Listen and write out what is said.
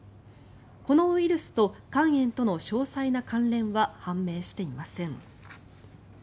このウイルスと肝炎との詳細な関連は判明していません。